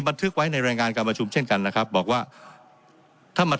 บันทึกไว้ในรายงานการประชุมเช่นกันนะครับบอกว่าถ้ามัน